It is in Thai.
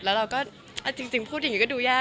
แล้วเราก็หงก็จริงพูดยังดูแย่เนี้ย